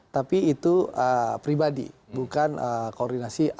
tapi itu pribadi bukan koordinasi